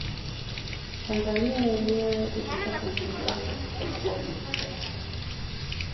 Tanzania yenyewe ilipata uhuru wake kutoka kwa Uingereza